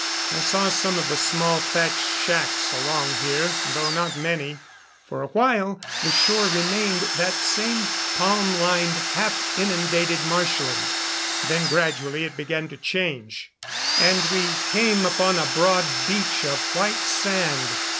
I saw some of the small thatched shacks along here, though not many. For a while the shore remained that same palm lined, half inundated marshland. Then gradually it began to change, and we came upon a broad beach of white sand.